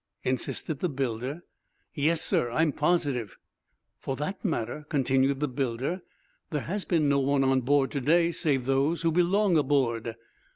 insisted the builder. "Yes, sir. I'm positive." "For that matter," continued the builder, "there has been no one on board to day save those who belong aboard."